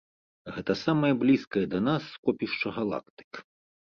Гэта самае блізкае да нас скопішча галактык.